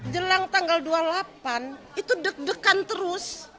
jelang tanggal dua puluh delapan itu deg degan terus